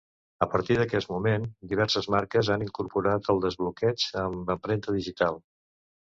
A partir d'aquest moment, diverses marques han incorporat el desbloqueig amb empremta digital.